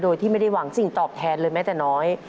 โดยที่ไม่ได้หวังสิ่งตอบแทนเลยแม้แต่น้อย